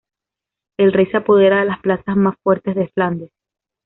El Rey se apodera de las plazas más fuertes de Flandes.